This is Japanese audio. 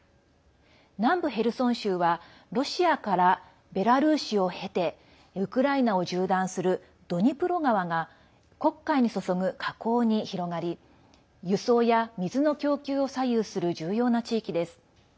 南部ヘルソン州はロシアからベラルーシを経てウクライナを縦断するドニプロ川が黒海に注ぐ河口に広がり輸送や水の供給を左右する重要な地域です。